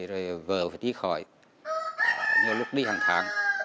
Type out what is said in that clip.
rồi vợ phải đi khỏi nhiều lúc đi hàng tháng